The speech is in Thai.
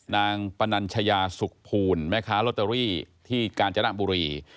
นางปนัญชยาสุขภูนิไหมคะโรตเตอรี่ที่กาญจนบุรี